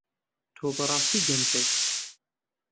تۆ بەڕاستی گەمژەی.